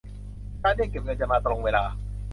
การเรียกเก็บเงินจะมาตรงเวลา